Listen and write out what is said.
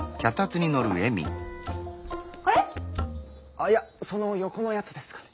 あっいやその横のやつですかね。